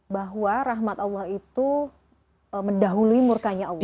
bahwa rahmat allah itu mendahului murkanya allah